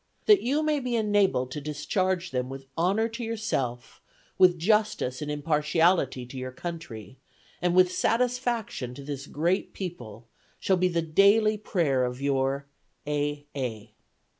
That you may be enabled to discharge them with honor to yourself, with justice and impartiality to your country, and with satisfaction to this great people, shall be the daily prayer of your "A. A."